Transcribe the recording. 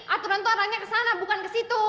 aturan tuh arahnya kesana bukan kesitu